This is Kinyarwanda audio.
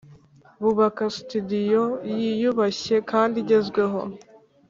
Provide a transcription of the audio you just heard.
bubaka sitidiyo yiyubashye kandi igezweho